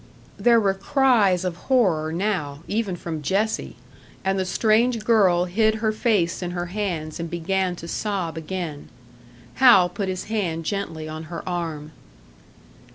There were cries of horror now, even from Jessie; and the strange girl hid her face in her hands and began to sob again. Hal put his hand gently on her arm.